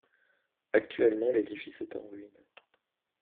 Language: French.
Actuellement, l’édifice est en ruine.